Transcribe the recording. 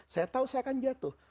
saya tahu saya akan jatuh